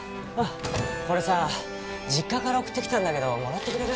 これさ実家から送ってきたんだけどもらってくれる？